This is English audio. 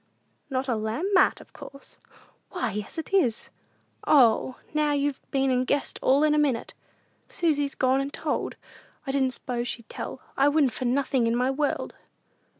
"Not a lamp mat, of course?" "Why, yes it is! O, there, now you've been and guessed all in a minute! Susy's gone an' told! I didn't s'pose she'd tell. I wouldn't for nothin' in my world!"